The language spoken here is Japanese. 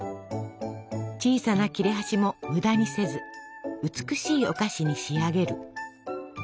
小さな切れ端も無駄にせず美しいお菓子に仕上げる。